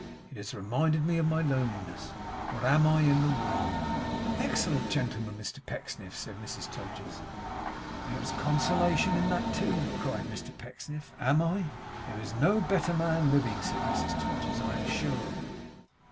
It has reminded me of my loneliness. What am I in the world?' 'An excellent gentleman, Mr Pecksniff,' said Mrs Todgers. 'There is consolation in that too,' cried Mr Pecksniff. 'Am I?' 'There is no better man living,' said Mrs Todgers, 'I am sure.